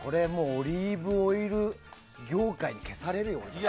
オリーブオイル業界に消されるよ私たち。